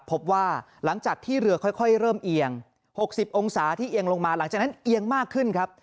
พบว่าหลังจากที่เรือค่อยเริ่มเอียง๖๐องศาที่เอียงลงมาหลังจากนั้นเอียงมากขึ้นครับ